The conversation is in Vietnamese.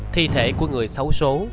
thi thể của người xấu xố